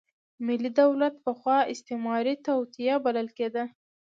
ملي دولت پخوا استعماري توطیه بلل کېده.